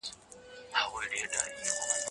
کار چي وي بېکاري کمېږي.